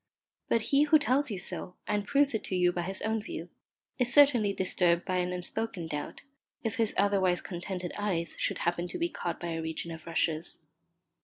But he who tells you so, and proves it to you by his own view, is certainly disturbed by an unspoken doubt, if his otherwise contented eyes should happen to be caught by a region of rushes.